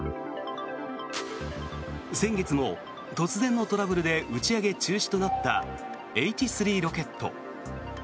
先月も突然のトラブルで打ち上げ中止となったＨ３ロケット。